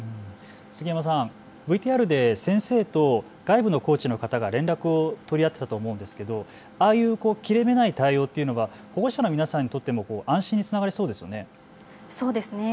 杉山さん、ＶＴＲで先生と外部のコーチの方が連絡を取り合っていたと思うんですが、ああいう切れ目ない対応というのは保護者の皆さんにとっても安心につながりそうですね。